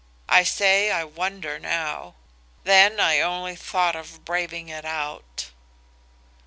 I say I wonder now: then I only thought of braving it out.